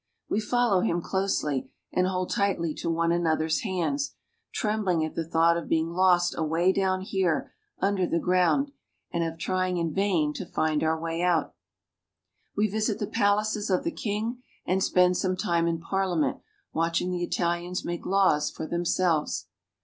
We follow him closely and hold tightly to one another's hands, trembling at the thought of being lost away down here under the ground, and of trying in vain to find our way out. NAPLES AND MOUNT VESUVIUS. 417 We visit the palaces of the king, and spend some time in Parliament watching the Italians make laws for them selves.